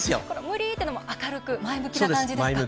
「無理ぃ」っていうのも明るく前向きな感じですか。